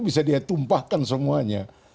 bisa dia tumpahkan semuanya